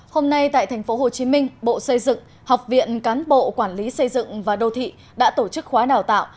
hôm nay tại tp hcm bộ xây dựng học viện cán bộ quản lý xây dựng và đô thị đã tổ chức khóa đào tạo